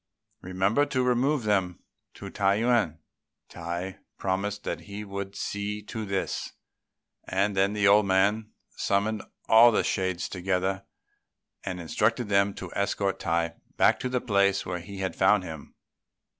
Remember to remove them to Tung yüan." Tai promised he would see to this; and then the old man summoned all the shades together and instructed them to escort Tai back to the place where they had found him.